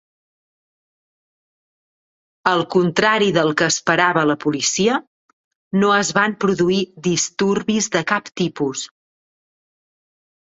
Al contrari del que esperava la policia, no es van produir disturbis de cap tipus.